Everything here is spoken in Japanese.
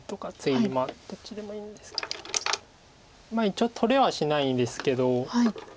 一応取れはしないですけど。